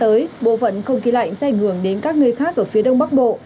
thời gian tới bộ phận không khí lạnh sẽ ảnh hưởng đến các nơi khác ở phía đông bắc bộ